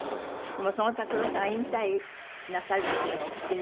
でもその拓郎さんが引退なさるっていうのをお聞きになるとどう？